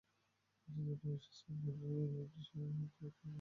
এটি জানুয়ারি শেষে এবং ফেব্রুয়ারির মাঝামাঝি দিকে সূর্যকে অতিক্রম করে।